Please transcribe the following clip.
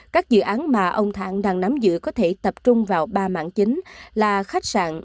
các dự án mà ông đang nắm giữ có thể tập trung vào ba mảng chính là khách sạn